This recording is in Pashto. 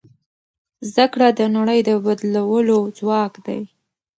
زده کړه د نړۍ د بدلولو ځواک دی.